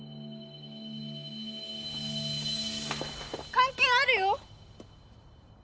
関係あるよ！